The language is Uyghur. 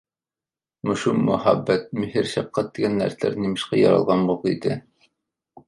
مۇشۇ مۇھەببەت، مېھىر-شەپقەت دېگەن نەرسىلەر نېمىشقا يارالغان بولغىيدى.